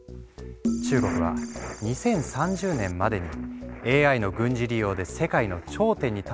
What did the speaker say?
中国は２０３０年までにＡＩの軍事利用で世界の頂点に立つことを宣言。